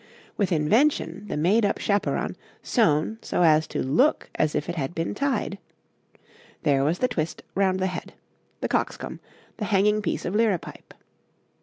With invention, the made up chaperon sewn so as to look as if it had been tied. There was the twist round the head, the cockscomb, the hanging piece of liripipe.